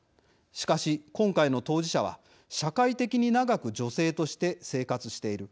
しかし、今回の当事者は社会的に長く女性として生活している。